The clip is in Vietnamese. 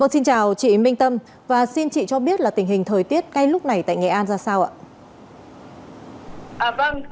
xin chào chị minh tâm và xin chị cho biết là tình hình thời tiết ngay lúc này tại nghệ an ra sao ạ